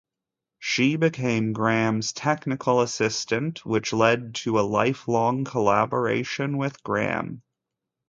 She became Graham's technical assistant, which led to a lifelong collaboration with Graham.